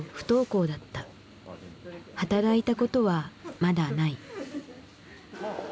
働いたことはまだない。